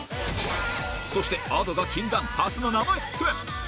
そしてＡｄｏが禁断、初の生出演。